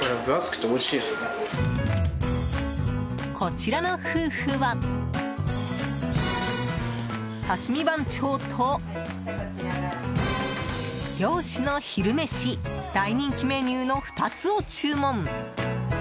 こちらの夫婦は、刺身番長と漁師の昼メシ大人気メニューの２つを注文。